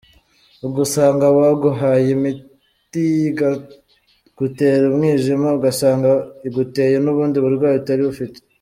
Ugasanga baguhaye imiti ikagutera umwijima, ugasanga iguteye n’ubundi burwayi utari ufite.